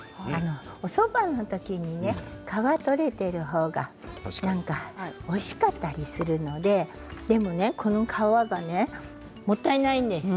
おそばの時に皮が取れている方がおいしかったりするのででもこの皮がもったいないんです。